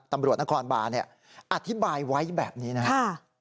ตำรวจนครบาอธิบายไว้แบบนี้น่ะ